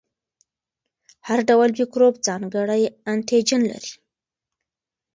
هر ډول میکروب ځانګړی انټيجن لري.